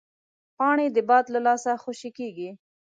پاڼې د باد له لاسه خوشې کېږي